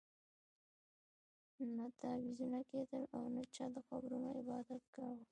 نه تعویذونه کېدل او نه چا د قبرونو عبادت کاوه.